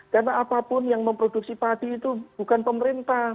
karena apapun yang memproduksi padi itu bukan pemerintah